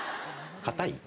硬い？